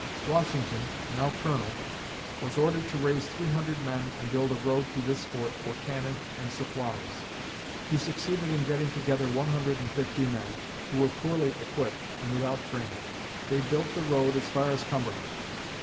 Washington, now Colonel, was ordered to raise three hundred men and build a road to this fort for cannon and supplies. He succeeded in getting together one hundred and fifty men, who were poorly equipped, and without training. They built the road as far as Cumberland.